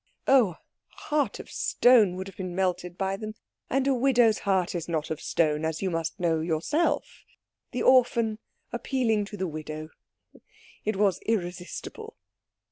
"Oh, a heart of stone would have been melted by them. And a widow's heart is not of stone, as you must know yourself. The orphan appealing to the widow it was irresistible."